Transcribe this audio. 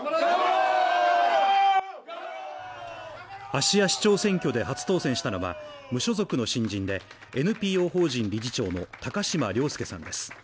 芦屋市長選挙で初当選したのは無所属の新人でＮＰＯ法人理事長の高島崚輔さんです。